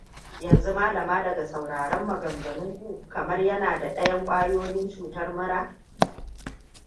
yanzu malama daga sauraron maganganun ku kamar yana da ɗayan ƙwayoyin cutar mura